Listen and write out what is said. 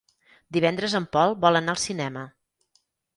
Divendres en Pol vol anar al cinema.